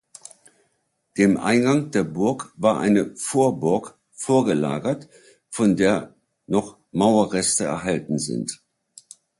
Dem Eingang der Burg war eine Vorburg vorgelagert, von der noch Mauerreste erhalten sind.